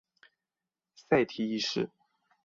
塞提一世。